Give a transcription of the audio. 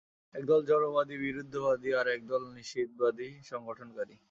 একদল জড়বাদী, বিরুদ্ধবাদী, আর একদল নিশ্চিতবাদী সংগঠনকারী।